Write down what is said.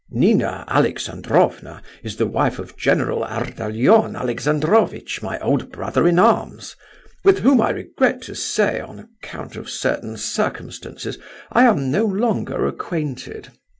Nina Alexandrovna is the wife of General Ardalion Alexandrovitch, my old brother in arms, with whom, I regret to say, on account of certain circumstances, I am no longer acquainted.